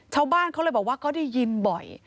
ชาวบ้านเขาเลยบอกว่าก็ได้ยินบ่อย